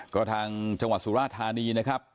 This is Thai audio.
ก็ทางจังหวัดสุราธานีนะครับ